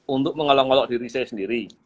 untuk mengolok ngolok diri saya sendiri